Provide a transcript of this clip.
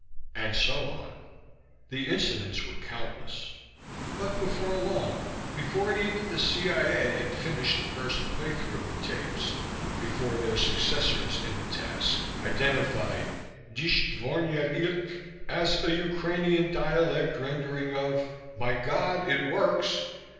And so on. The incidents were countless. But before long, before even the C.I.A. had finished the first playthrough of the tapes, before their successors in the task identified Disht dvornyet ilgt as a Ukrainian dialect rendering of, My God, it works!